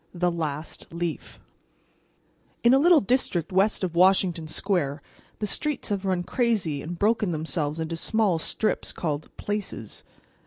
THE LAST LEAF In a little district west of Washington Square the streets have run crazy and broken themselves into small strips called "places."